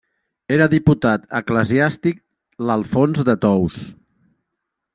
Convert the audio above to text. Era diputat eclesiàstic l'Alfons de Tous.